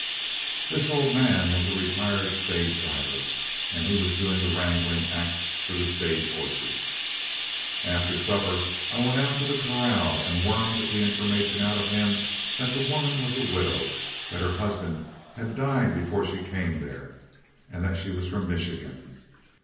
"This old man was a retired stage driver, and was doing the wrangling act for the stage horses. After supper I went out to the corral and wormed the information out of him that the woman was a widow; that her husband had died before she came there, and that she was from Michigan.